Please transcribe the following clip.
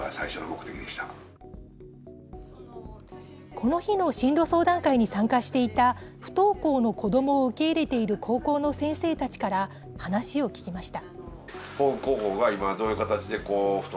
この日の進路相談会に参加していた、不登校の子どもを受け入れている高校の先生たちから話を聞きました。